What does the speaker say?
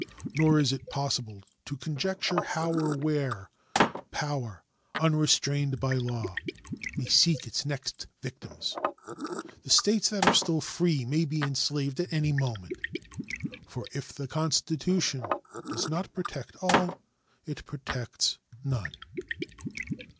Nor is it possible to conjecture how or where power, unrestrained by law, may seek its next victims. The States that are still free may be enslaved at any moment; for if the Constitution does not protect all, it protects none.